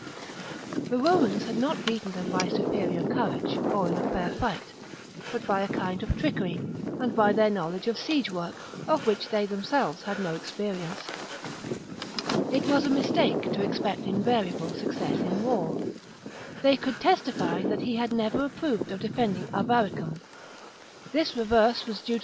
The disaster. Romans had not beaten them by superior courage or in fair fight, but by a kind of trickery and by their knowledge of siege work, of which they themselves had no experience. It was a mistake to expect invariable success in war. They could testify that he had never approved of defending Avaricum : this reverse was due to the short 228 THE REBELLION BOOK 52 B.